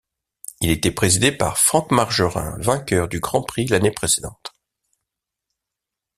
Il était présidé par Frank Margerin, vainqueur du Grand Prix l'année précédente.